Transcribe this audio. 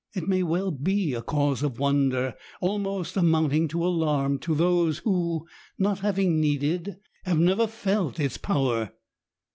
— ^it may weU be a cause of wonder, almost amounting to alarm, to those who, not having needed, have never felt its power.